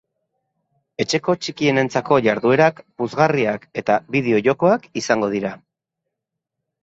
Etxeko txikienentzako jarduerak, puzgarriak eta bideo-jokoak izango dira.